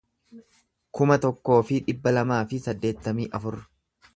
kuma tokkoo fi dhibba lamaa fi saddeettamii afur